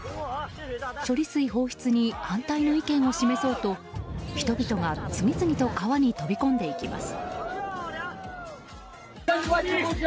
処理水放出に反対の意見を示そうと人々が、次々と川に飛び込んでいきます。